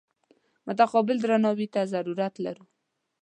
متقابل درناوي ته ضرورت لرو.